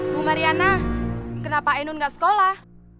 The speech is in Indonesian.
bu mariana kenapa enun gak sekolah